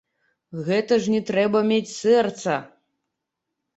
Гэта ж не трэба мець сэрца!